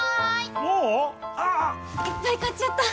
もう⁉ああ・・・いっぱい買っちゃった！